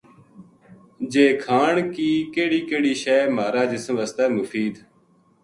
جے کھان کی کہڑی کہڑٖی شے مھارا جسم واسطے مفید